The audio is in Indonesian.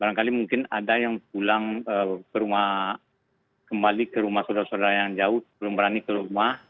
barangkali mungkin ada yang pulang ke rumah kembali ke rumah saudara saudara yang jauh sebelum berani ke rumah